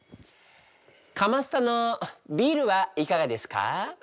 鎌スタのビールはいかがですか？